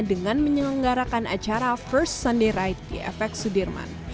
dengan menyelenggarakan acara first sunday ride di fx sudirman